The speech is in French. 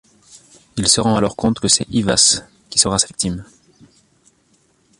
Il se rend alors compte que c'est Ivass qui sera sa victime.